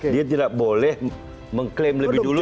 dia tidak boleh mengklaim lebih dulu